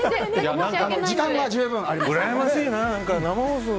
時間は十分ありますから。